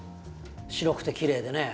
白くてきれいでね。